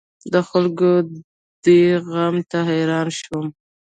د خلکو دې زغم ته حیران شوم.